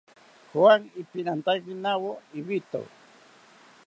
Juan ipimantakinawo ibito